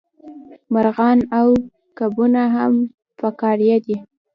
مارغان او کبونه هم فقاریه دي